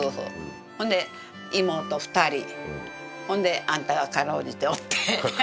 ほんで妹２人ほんであんたが辛うじておって。